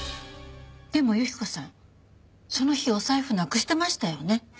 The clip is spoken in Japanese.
でも雪子さんその日お財布なくしてましたよね？